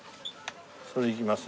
それいきます？